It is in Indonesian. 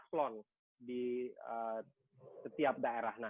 hai ini yang menjadi tantangan mereka setiap daerah